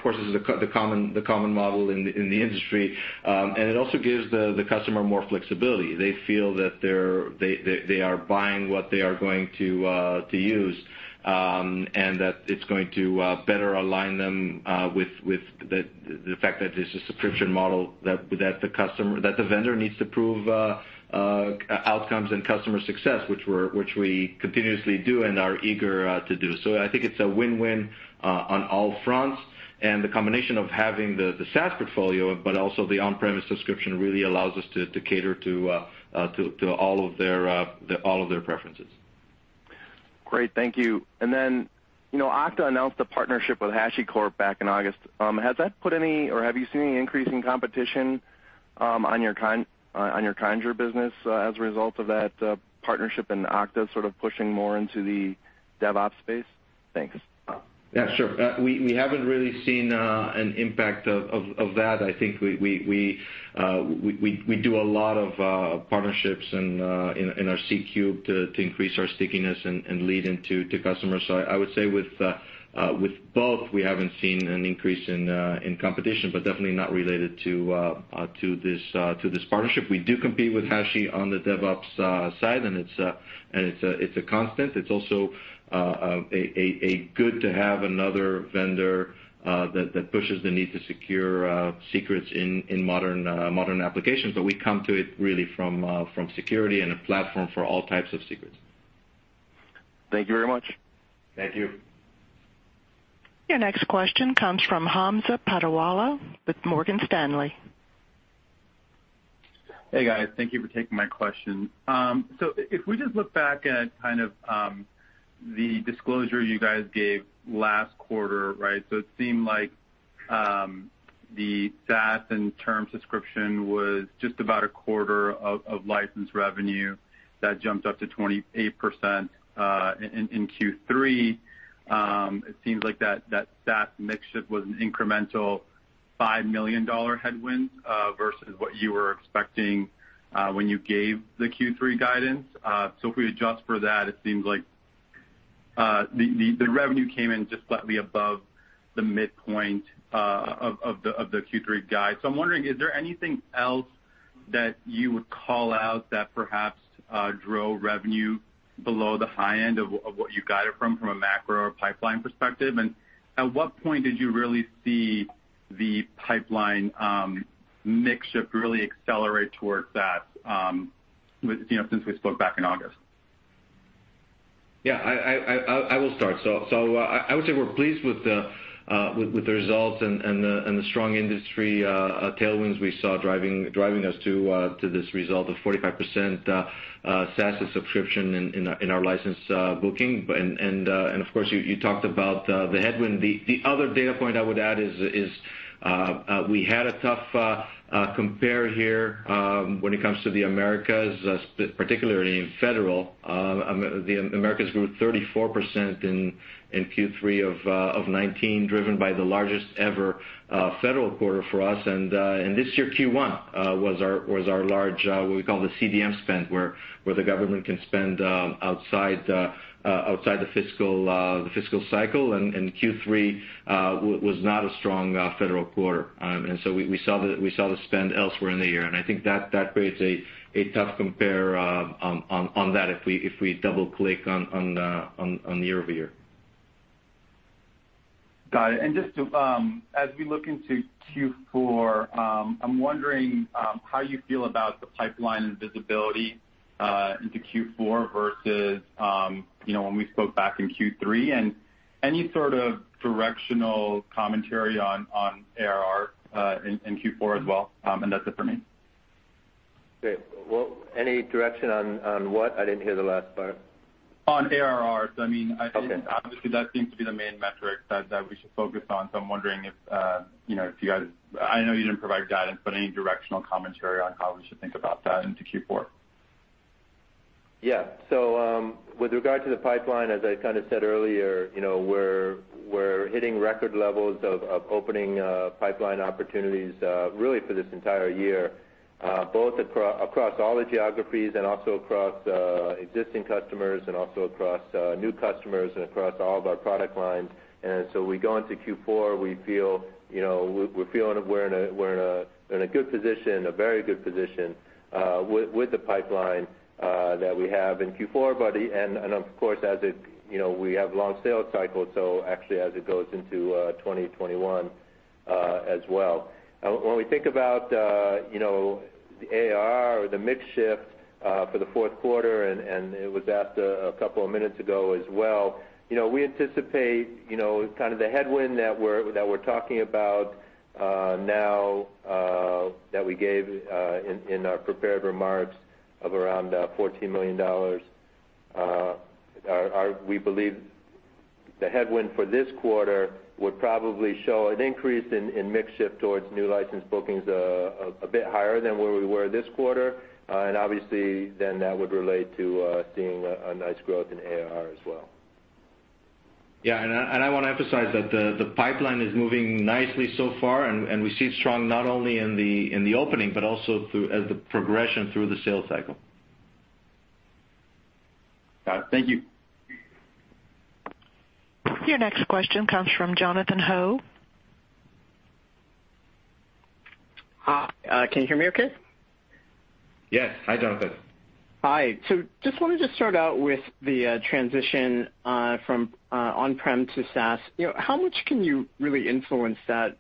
course, this is the common model in the industry. It also gives the customer more flexibility. They feel that they are buying what they are going to use, and that it's going to better align them with the fact that it's a subscription model that the vendor needs to prove outcomes and customer success, which we continuously do and are eager to do. I think it's a win-win on all fronts and the combination of having the SaaS portfolio, but also the on-premise subscription really allows us to cater to all of their preferences. Great. Thank you. Okta announced a partnership with HashiCorp back in August. Has that put any, or have you seen any increase in competition on your Conjur business as a result of that partnership and Okta sort of pushing more into the DevOps space? Thanks. Yeah, sure. We haven't really seen an impact of that. I think we do a lot of partnerships in our C3 Alliance to increase our stickiness and lead into customers. I would say with both, we haven't seen an increase in competition, but definitely not related to this partnership. We do compete with Hashi on the DevOps side, and it's a constant. It's also good to have another vendor that pushes the need to secure secrets in modern applications. We come to it really from security and a platform for all types of secrets. Thank you very much. Thank you. Your next question comes from Hamza Fodderwala with Morgan Stanley. Hey, guys. Thank you for taking my question. If we just look back at kind of the disclosure you guys gave last quarter, right? It seemed like the SaaS and term subscription was just about a quarter of license revenue that jumped up to 28% in Q3. It seems like that SaaS mix shift was an incremental $5 million headwind versus what you were expecting when you gave the Q3 guidance. If we adjust for that, it seems like the revenue came in just slightly above the midpoint of the Q3 guide. At what point did you really see the pipeline mix shift really accelerate towards that since we spoke back in August? I will start. I would say we're pleased with the results and the strong industry tailwinds we saw driving us to this result of 45% SaaS subscription in our license booking. Of course, you talked about the headwind. The other data point I would add is we had a tough compare here when it comes to the Americas, particularly in federal. The Americas grew 34% in Q3 of 2019, driven by the largest ever federal quarter for us. This year, Q1 was our large, what we call the CDM spend, where the government can spend outside the fiscal cycle. Q3 was not a strong federal quarter. We saw the spend elsewhere in the year. I think that creates a tough compare on that if we double-click on the year-over-year. Got it. As we look into Q4, I'm wondering how you feel about the pipeline and visibility into Q4 versus when we spoke back in Q3, and any sort of directional commentary on ARR in Q4 as well? That's it for me. Great. Well, any direction on what? I didn't hear the last part. On ARR. Okay. obviously that seems to be the main metric that we should focus on. I'm wondering if you guys, I know you didn't provide guidance, but any directional commentary on how we should think about that into Q4? Yes. With regard to the pipeline, as I said earlier, we're hitting record levels of opening pipeline opportunities really for this entire year, both across all the geographies and also across existing customers and also across new customers and across all of our product lines. We go into Q4, we're feeling we're in a good position, a very good position with the pipeline that we have in Q4, and of course, we have long sales cycles, actually as it goes into 2021 as well. When we think about the ARR or the mix shift for the fourth quarter, and it was asked a couple of minutes ago as well, we anticipate the headwind that we're talking about now that we gave in our prepared remarks of around $14 million. We believe the headwind for this quarter would probably show an increase in mix shift towards new license bookings a bit higher than where we were this quarter. Obviously then that would relate to seeing a nice growth in ARR as well. Yes. I want to emphasize that the pipeline is moving nicely so far, and we see it strong not only in the opening but also as the progression through the sales cycle. Got it. Thank you. Your next question comes from Jonathan Ho. Hi. Can you hear me okay? Yes. Hi, Jonathan. Hi. Just wanted to start out with the transition from on-prem to SaaS. How much can you really influence that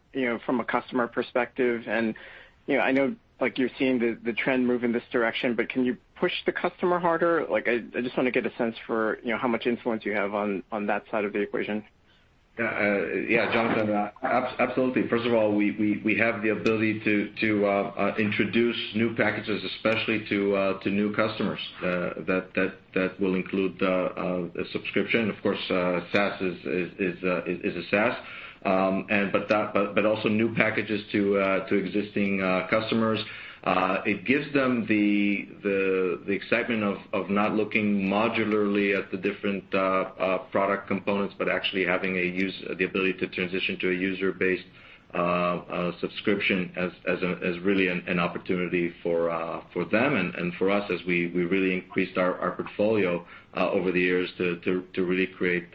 from a customer perspective? I know you're seeing the trend move in this direction, but can you push the customer harder? I just want to get a sense for how much influence you have on that side of the equation. Jonathan, absolutely. First of all, we have the ability to introduce new packages, especially to new customers that will include a subscription. Of course, SaaS is a SaaS. Also new packages to existing customers. It gives them the excitement of not looking modularly at the different product components, but actually having the ability to transition to a user-based subscription as really an opportunity for them and for us as we really increased our portfolio over the years to really create,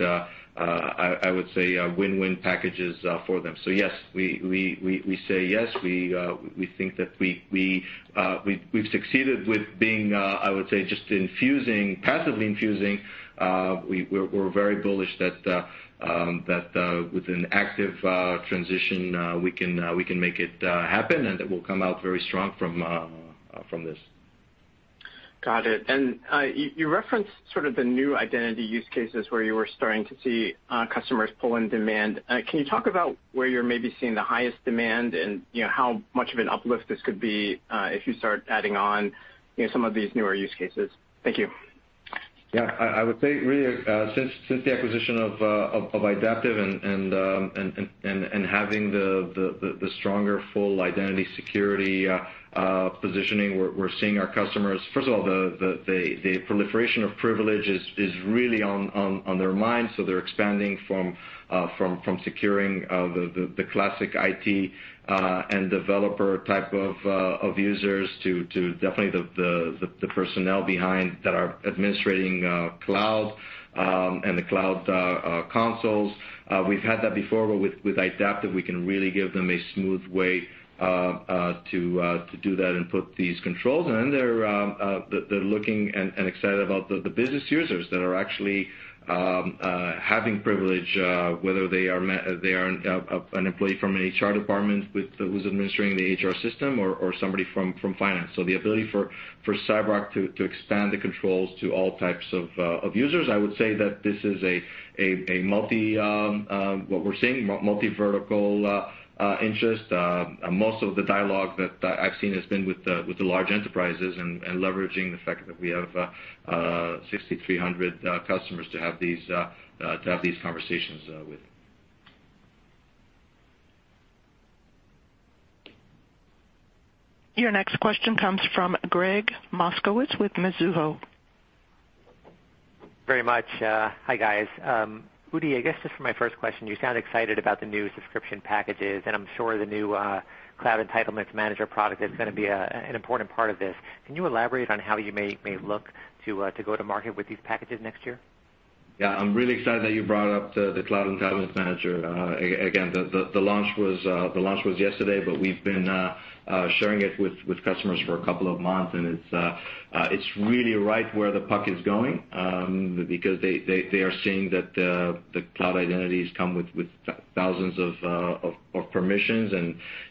I would say, win-win packages for them. Yes, we say yes, we think that we've succeeded with being, I would say, just passively infusing. We're very bullish that with an active transition, we can make it happen, and it will come out very strong from this. Got it. You referenced sort of the new identity use cases where you were starting to see customers pull in demand. Can you talk about where you're maybe seeing the highest demand, and how much of an uplift this could be if you start adding on some of these newer use cases? Thank you. I would say really, since the acquisition of Idaptive and having the stronger full identity security positioning, we're seeing our customers First of all, the proliferation of privilege is really on their minds. They're expanding from securing the classic IT and developer type of users to definitely the personnel behind that are administrating cloud and the cloud consoles. We've had that before, but with Idaptive, we can really give them a smooth way to do that and put these controls in. They're looking and excited about the business users that are actually having privilege, whether they are an employee from an HR department who's administering the HR system or somebody from finance. The ability for CyberArk to expand the controls to all types of users, I would say that this is a multi-vertical interest. Most of the dialogue that I've seen has been with the large enterprises and leveraging the fact that we have 6,300 customers to have these conversations with. Your next question comes from Gregg Moskowitz with Mizuho. Very much. Hi, guys. Udi, I guess just for my first question, you sound excited about the new subscription packages, and I'm sure the new CyberArk Cloud Entitlements Manager product is going to be an important part of this. Can you elaborate on how you may look to go to market with these packages next year? Yeah. I'm really excited that you brought up the Cloud Entitlements Manager. The launch was yesterday, but we've been sharing it with customers for a couple of months, it's really right where the puck is going, because they are seeing that the cloud identities come with thousands of permissions,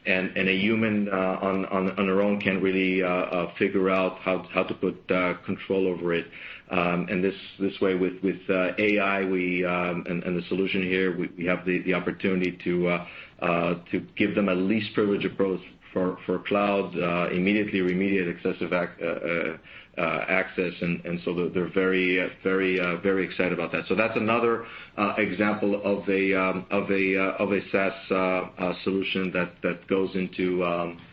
a human on their own can't really figure out how to put control over it. This way with AI, the solution here, we have the opportunity to give them a least privilege approach for cloud, immediately remediate excessive access, they're very excited about that. That's another example of a SaaS solution that goes into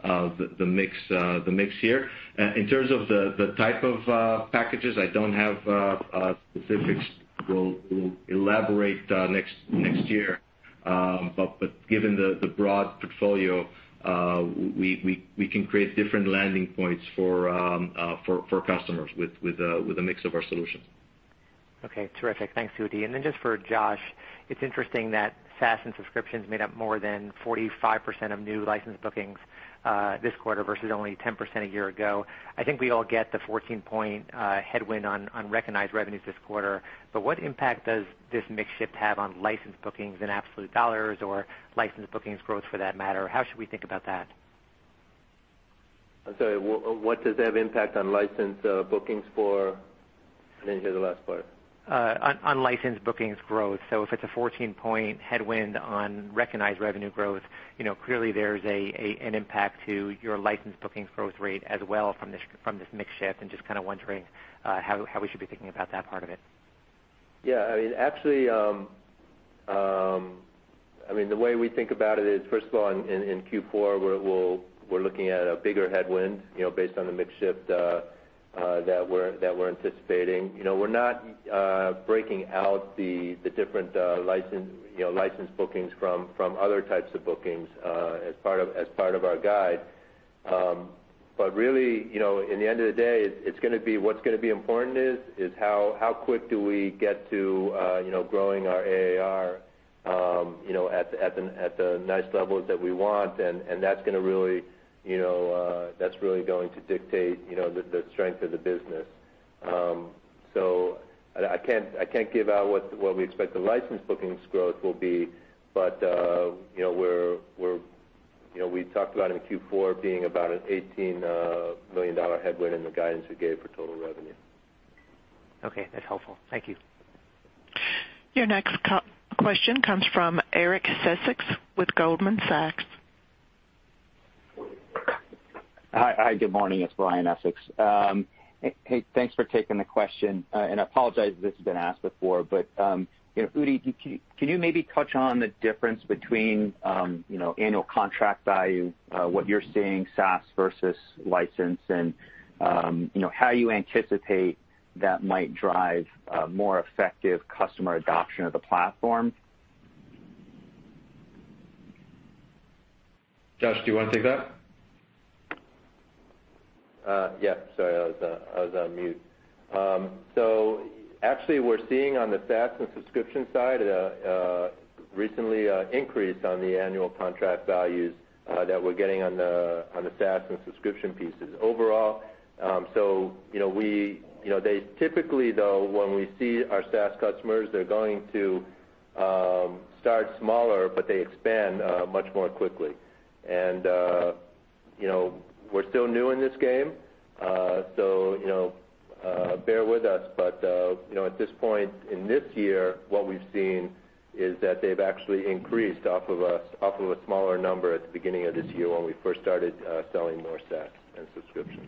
the mix here. In terms of the type of packages, I don't have specifics. We'll elaborate next year. Given the broad portfolio, we can create different landing points for customers with a mix of our solutions. Okay, terrific. Thanks, Udi. Then just for Josh, it's interesting that SaaS and subscriptions made up more than 45% of new license bookings this quarter versus only 10% a year ago. I think we all get the 14-point headwind on recognized revenues this quarter, but what impact does this mix shift have on licensed bookings in absolute dollars or licensed bookings growth for that matter? How should we think about that? I'm sorry, what does it have impact on licensed bookings for? I didn't hear the last part. On licensed bookings growth. If it's a 14-point headwind on recognized revenue growth, clearly there's an impact to your licensed bookings growth rate as well from this mix shift and just kind of wondering how we should be thinking about that part of it. Actually, the way we think about it is, first of all, in Q4, we're looking at a bigger headwind based on the mix shift that we're anticipating. We're not breaking out the different licensed bookings from other types of bookings as part of our guide. Really, in the end of the day, what's going to be important is how quick do we get to growing our ARR at the nice levels that we want, and that's really going to dictate the strength of the business. I can't give out what we expect the licensed bookings growth will be. We talked about in Q4 being about an $18 million headwind in the guidance we gave for total revenue. Okay, that's helpful. Thank you. Your next question comes from Brian Essex with Goldman Sachs. Hi, good morning. It's Brian Essex. Hey, thanks for taking the question. I apologize if this has been asked before, but Udi, can you maybe touch on the difference between annual contract value, what you're seeing SaaS versus license, and how you anticipate that might drive a more effective customer adoption of the platform? Josh, do you want to take that? Yeah, sorry, I was on mute. Actually, we're seeing on the SaaS and subscription side, recently an increase on the annual contract values that we're getting on the SaaS and subscription pieces overall. Typically though, when we see our SaaS customers, they're going to start smaller, but they expand much more quickly. We're still new in this game, so bear with us, but at this point in this year, what we've seen is that they've actually increased off of a smaller number at the beginning of this year when we first started selling more SaaS and subscriptions.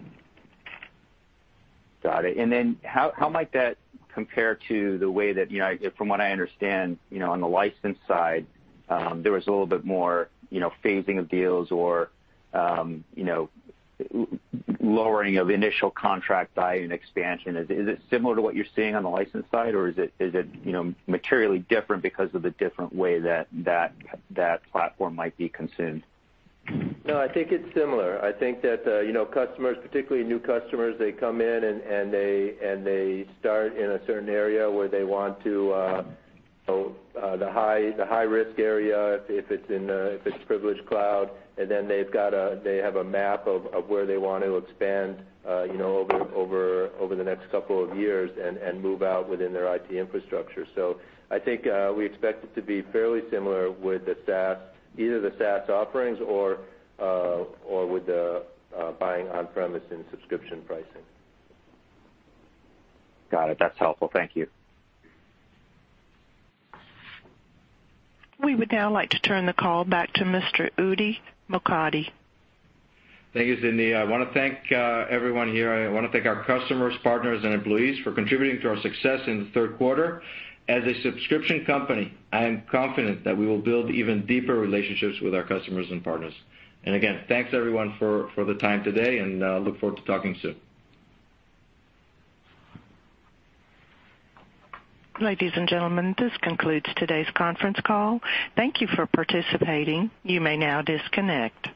Got it. How might that compare to the way that, from what I understand on the license side, there was a little bit more phasing of deals or lowering of initial contract value and expansion. Is it similar to what you're seeing on the license side, or is it materially different because of the different way that that platform might be consumed? No, I think it's similar. I think that customers, particularly new customers, they come in and they start in a certain area where they want to-- the high-risk area, if it's Privilege Cloud, and then they have a map of where they want to expand over the next couple of years and move out within their IT infrastructure. I think we expect it to be fairly similar with either the SaaS offerings or with buying on-premises and subscription pricing. Got it. That's helpful. Thank you. We would now like to turn the call back to Mr. Udi Mokady. Thank you, Cindy. I want to thank everyone here. I want to thank our customers, partners, and employees for contributing to our success in the third quarter. As a subscription company, I am confident that we will build even deeper relationships with our customers and partners. Again, thanks everyone for the time today, and look forward to talking soon. Ladies and gentlemen, this concludes today's conference call. Thank you for participating. You may now disconnect.